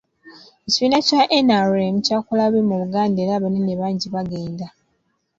Ekibiina kya NRM kyakola bubi mu Buganda era abanene bangi bagenda.